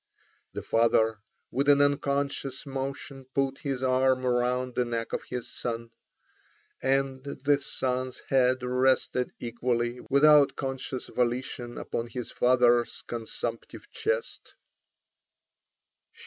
The father with an unconscious motion put his arm around the neck of his son, and the son's head rested equally without conscious volition upon his father's consumptive chest.